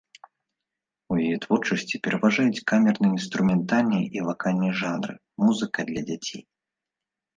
У яе творчасці пераважаюць камерна-інструментальныя і вакальныя жанры, музыка для дзяцей.